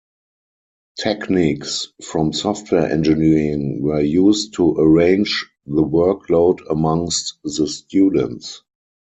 Techniques from software engineering were used to arrange the workload amongst the students.